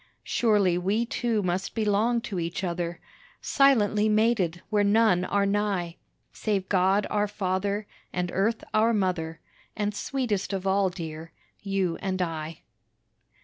Surely we two must belong to each other, Silently mated where none are nigh Save God our Father, and Earth our Mother, And sweetest of all, dear,—You and I.